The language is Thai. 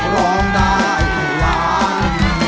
ร้องได้ให้ล้าน